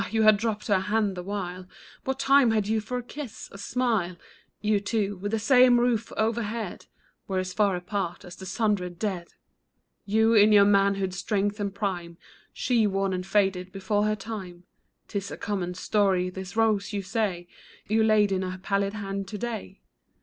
you had dropped her hand the while ; What time had you for a kiss, a smile ? You two, with the same roof overhead, Were as far apart as the sundered dead ! You, in your manhood's strength and prime ; She, worn and faded before her time. 'Tis a common story. This rose, you say, You laid in her pallid hand to day